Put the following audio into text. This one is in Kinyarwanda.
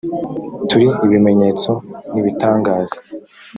turi ibimenyetso n ibitangaza